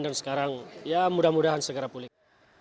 dan sekarang ya mudah mudahan segera pulih